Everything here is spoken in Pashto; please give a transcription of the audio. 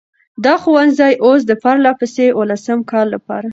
دا ښوونځی اوس د پرلهپسې اوولسم کال لپاره،